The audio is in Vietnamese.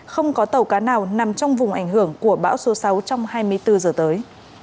không có tàu cá nào nằm trong vùng ảnh hưởng của bão số sáu trong hai mươi bốn giờ tới